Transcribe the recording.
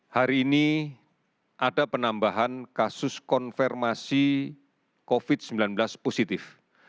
hari ini ada penambahan kasus konfirmasi covid sembilan belas positif